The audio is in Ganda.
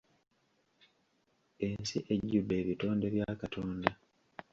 Ensi ejjudde ebitonde bya Katonda.